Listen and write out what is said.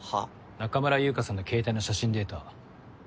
中村優香さんの携帯の写真データ